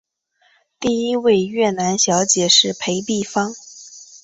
第一位越南小姐是裴碧芳。